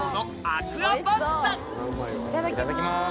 いただきます！